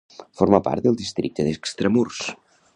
Forma part del districte d'Extramurs.